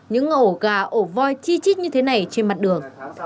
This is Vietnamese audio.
những ổ gà ổ voi chi chít như thế này trên mặt đường